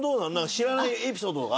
知らないエピソードとかあった？